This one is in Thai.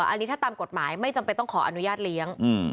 อันนี้ถ้าตามกฎหมายไม่จำเป็นต้องขออนุญาตเลี้ยง